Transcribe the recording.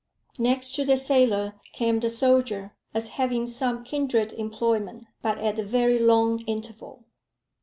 Next to the sailor came the soldier, as having some kindred employment; but at a very long interval.